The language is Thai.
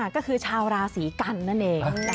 ก็คือชาวราศีกันนั่นเอง